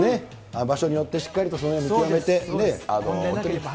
場所によってしっかりとそのへん見極めて。